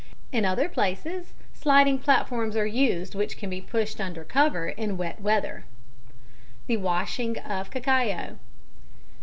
In other places, sliding platforms are used which can be pushed under cover in wet weather. _The Washing of Cacao.